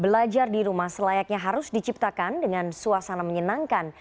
belajar di rumah selayaknya harus diciptakan dengan suasana menyenangkan